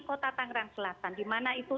kota tangerang selatan dimana itu